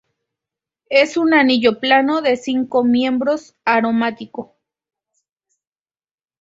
Es un anillo plano de cinco miembros, aromático.